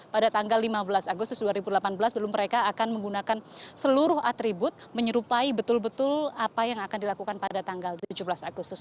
pada tanggal lima belas agustus dua ribu delapan belas belum mereka akan menggunakan seluruh atribut menyerupai betul betul apa yang akan dilakukan pada tanggal tujuh belas agustus